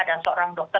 ada seorang dokter